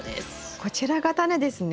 こちらがタネですね？